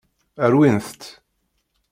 Rwint-tt.